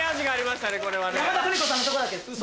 山田邦子さんのとこだけウソ。